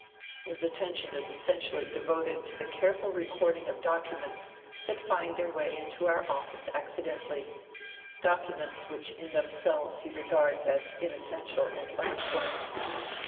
His attention is essentially devoted to the careful record ing of documents that find their way into our office accidentally, documents which in themselves he regards as inessential and unimportant.